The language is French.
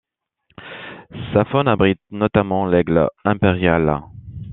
Sa faune abrite notamment l'aigle impérial.